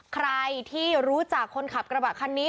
ใครที่รู้จักคนขับกระบะคันนี้